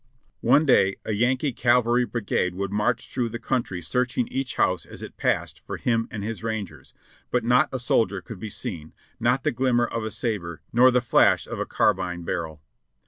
One day a Yankee cavalry brigade would march through the country searching each house as it passed for him and his rangers, but not a soldier could be seen, not the glimmer of a sabre nor the flash of a carbine barrel.